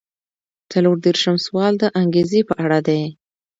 څلور دېرشم سوال د انګیزې په اړه دی.